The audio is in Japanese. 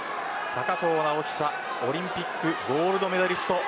高藤直寿オリンピックゴールドメダリスト